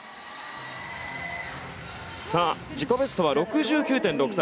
さあ自己ベストは６９．６３。